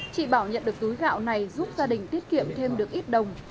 chị bảo nhận được túi gạo này giúp gia đình tiết kiệm thêm được ít đồng